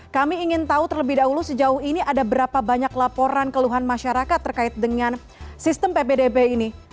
kami ingin tahu terlebih dahulu sejauh ini ada berapa banyak laporan keluhan masyarakat terkait dengan sistem ppdb ini